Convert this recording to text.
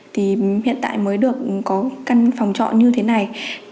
thì hiện tại mới được có căn phòng trọ như thế này